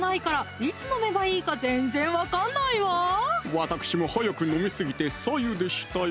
わたくしも早く飲みすぎて白湯でしたよ